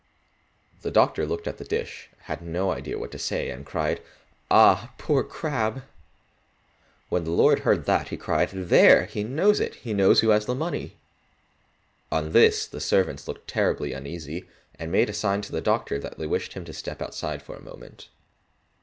The doctor looked at the dish, had no idea what to say, and cried, "Ah, poor Crabb." When the lord heard that, he cried, "There! he knows it, he knows who has the money!" On this the servants looked terribly uneasy, and made a sign to the doctor that they wished him to step outside for a moment.